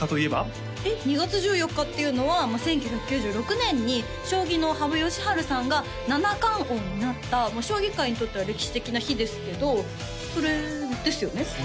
えっ２月１４日っていうのは１９９６年に将棋の羽生善治さんが七冠王になった将棋界にとっては歴史的な日ですけどそれですよね？